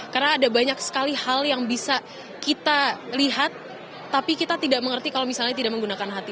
karena ada banyak sekali hal yang bisa kita lihat tapi kita tidak mengerti kalau misalnya tidak menggunakan hati